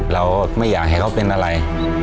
เราไม่อยากให้เขาเป็นอะไร